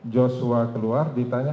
joshua keluar ditanya